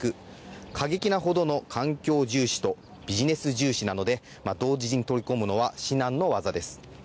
過激なほどの環境重視とビジネス重視なので同時に取り込むのは至難の業です。